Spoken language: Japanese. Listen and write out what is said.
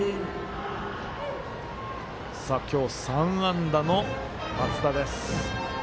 今日３安打の松田です。